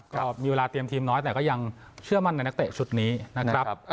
ก็มีเวลาเตรียมทีมน้อยแต่ก็ยังเชื่อมั่นในนักเตะชุดนี้นะครับ